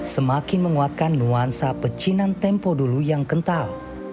semakin menguatkan nuansa pecinan tempo dulu yang kental